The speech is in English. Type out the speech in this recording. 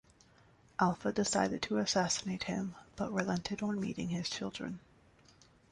Alpha decided to assassinate him, but relented on meeting his children.